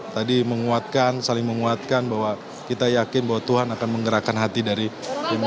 tadi menguatkan saling menguatkan bahwa kita yakin bahwa tuhan akan menggerakkan hati dari yang mulia majelis hakim